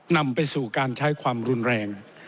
นำไปสู่การใช้ความรุนแรง